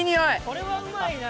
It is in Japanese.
「これはうまいなあ」